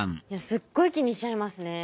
すっごい気にしちゃいますね。